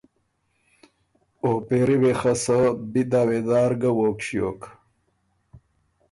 او پېری وې خه سۀ بی دعوېدار ګه ووک ݭیوک